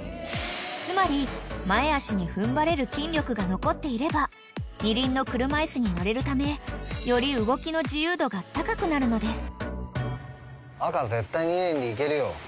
［つまり前脚に踏ん張れる筋力が残っていれば二輪の車椅子に乗れるためより動きの自由度が高くなるのです］